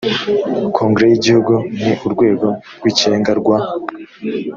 kongere y igihugu ni urwego rw ikirenga rwa